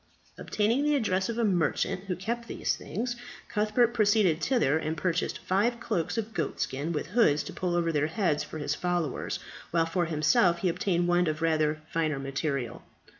Obtaining the address of a merchant who kept these things, Cuthbert proceeded thither; and purchased five cloaks of goat skin with hoods to pull over their heads for his followers, while for himself he obtained one of rather finer material.